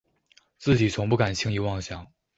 自己从不敢轻易妄想